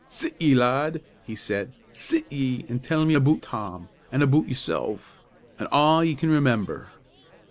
"Sit ye, lad," he said; "sit ye, an' tell me aboot Tom, an' aboot yoursel', an' a' ye can remember."